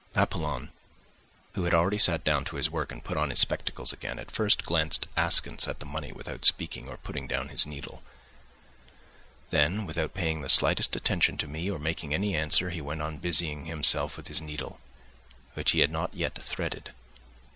..." Apollon, who had already sat down to his work and put on his spectacles again, at first glanced askance at the money without speaking or putting down his needle; then, without paying the slightest attention to me or making any answer, he went on busying himself with his needle, which he had not yet threaded.